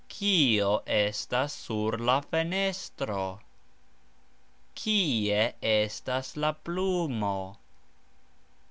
Kio estas sur la fenestro? Kie estas la plumo?